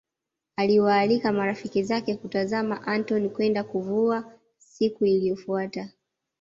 Aliwaalika marafiki zake kutazama Antony kwenda kuvua siku iliyofuata